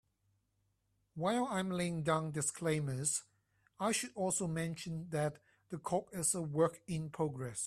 While I'm laying down disclaimers, I should also mention that the code is a work in progress.